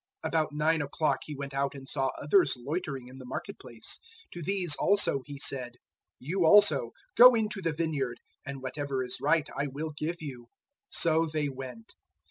020:003 About nine o'clock he went out and saw others loitering in the market place. 020:004 To these also he said, "`You also, go into the vineyard, and whatever is right I will give you.' 020:005 "So they went.